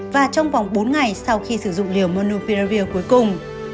và trong vòng bốn ngày sau khi sử dụng liều pierre cuối cùng